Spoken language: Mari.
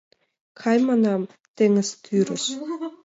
Кай, манам, теҥыз тӱрыш